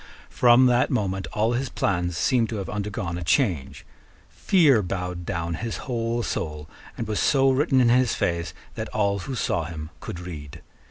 From that moment all his plans seem to have undergone a change. Fear bowed down his whole soul, and was so written in his face that all who saw him could read.